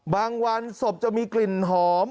วันศพจะมีกลิ่นหอม